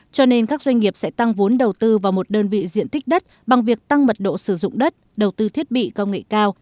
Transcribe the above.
cho nên các doanh nghiệp sẽ tăng vốn đầu tư vào một đơn vị diện tích đất bằng việc tăng mật độ sử dụng đất đầu tư thiết bị công nghệ cao